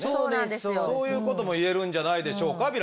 そういうことも言えるんじゃないでしょうか？